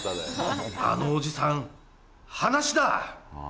あのおじさん歯無しだ！